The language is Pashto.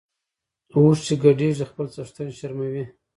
اوښ چی ګډیږي خپل څښتن شرموي .